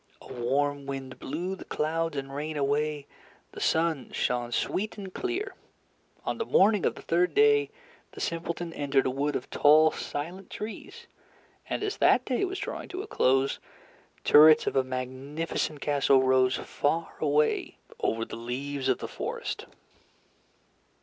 A warm wind blew the clouds and rain away, the sun shone sweet and clear. On the morning of the third day, the simpleton entered a wood of tall silent trees, and as that day was drawing to a close, turrets of a magnificent castle rose far away over the leaves of the forest.